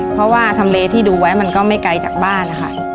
เพราะว่าทำเลที่ดูไว้มันก็ไม่ไกลจากบ้านนะคะ